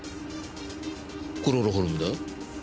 クロロホルムだ。